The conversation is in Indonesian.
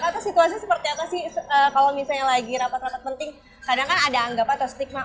kata situasi seperti apa sih kalau misalnya lagi rapat rapat penting kadang kan ada anggap atau stigma